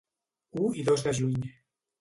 U i dos de juny.